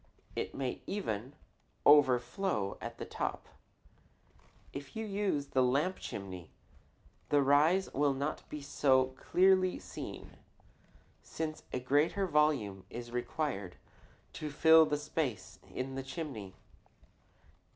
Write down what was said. It may even overflow at the top. If you use the lamp chimney the rise will not be so clearly seen, since a greater volume is required to fill the space in the chimney.